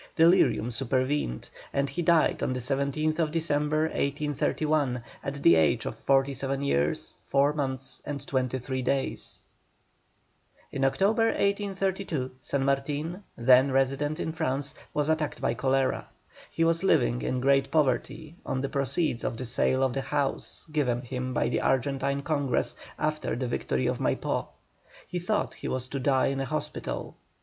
Delirium supervened, and he died on the 17th December, 1831, at the age of forty seven years four months and twenty three days. In October, 1832, San Martin, then resident in France, was attacked by cholera. He was living in great poverty on the proceeds of the sale of the house given him by the Argentine Congress after the victory of Maipó. He thought he was to die in a hospital.